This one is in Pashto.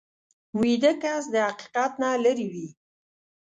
ویده کس د حقیقت نه لرې وي